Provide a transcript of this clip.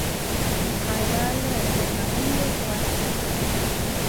وقايه له درملنې غوره ده.